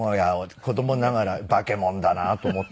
子供ながら化けもんだなと思って。